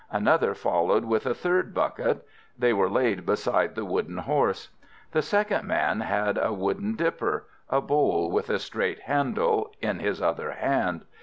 Another followed with a third bucket. They were laid beside the wooden horse. The second man had a wooden dipper—a bowl with a straight handle—in his other hand.